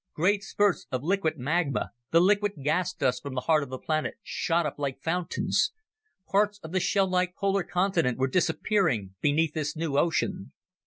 Great spurts of liquid magma, the liquid gas dust from the heart of the planet, shot up like fountains. Parts of the shell like polar continent were disappearing beneath this new ocean.